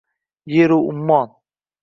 Yeru ummon